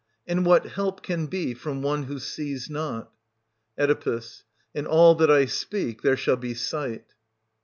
And what help can be from one who sees not } Oe. In all that I speak there shall be sight.